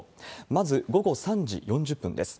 まず、午後３時４０分です。